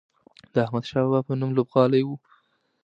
د احمدشاه بابا په نوم لوبغالی و.